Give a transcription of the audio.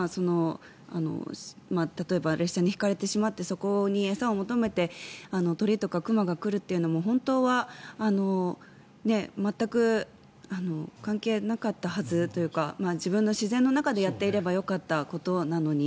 例えば列車にひかれてしまってそこに餌を求めて鳥とか熊が来るというのも本当は全く関係がなかったはずというか自分の自然の中でやっていればよかったことなのに